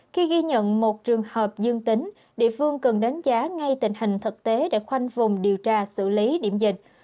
khi ghi nhận một trường hợp dương tính địa phương cần đánh giá ngay tình hình thực tế để khoanh vùng điều tra xử lý điểm dịch